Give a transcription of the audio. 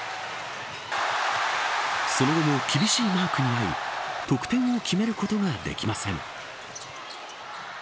その後も、厳しいマークにあい得点を決めることができません。